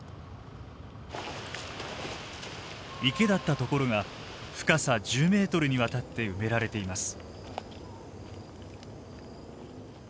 池だった所が深さ１０メートルにわたって埋められています。